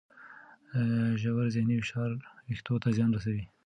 ژور ذهني فشار وېښتو ته زیان رسوي.